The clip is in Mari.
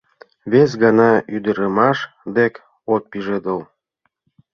Вес гана ӱдырамаш дек от пижедыл.